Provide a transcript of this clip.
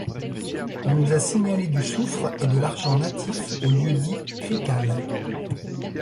On nous a signalé, du soufre et de l'argent natif au lieu-dit Cricales.